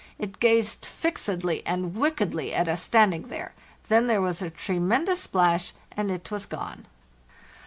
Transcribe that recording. It gazed fixedly and wickedly at us standing there, then there was a tremendous splash and it was gone.